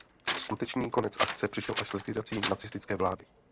Skutečný konec akce přišel až s likvidací nacistické vlády.